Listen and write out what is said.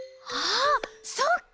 あそっか！